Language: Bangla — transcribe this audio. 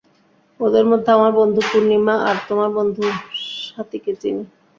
ওদের মধ্যে, আমার বন্ধু পূর্ণিমা আর তোমার বন্ধু স্বাতীকে চিনি।